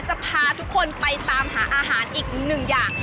จะพาทุกคนไปตามหาอาหารอีกหนึ่งอย่าง